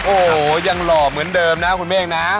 โอ้โหยังหล่อเหมือนเดิมนะคุณเมฆนะ